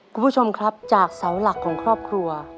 คุณผู้ชมครับจากเสาหลักของครอบครัว